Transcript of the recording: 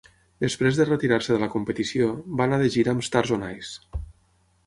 Després de retirar-se de la competició, va anar de gira amb Stars on Ice.